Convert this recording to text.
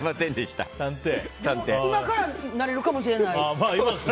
今からなれるかもしれない。